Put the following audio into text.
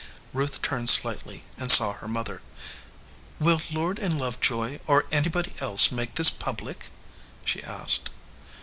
Ruth turned slightly and saw her mother. "Will Lord & Lovejoy or anybody else make this public?" she asked.